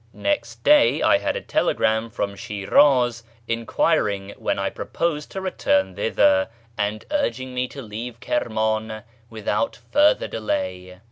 " Next day I had a telegram from Shiraz enquiring when I proposed to return thither, and urging me to leave Kirman without further delay.